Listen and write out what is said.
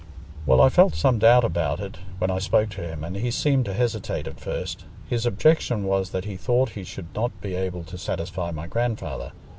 "Well, I felt some doubt about it when I spoke to him and he seemed to hesitate at first. His objection was that he thought he should not be able to satisfy my grandfather.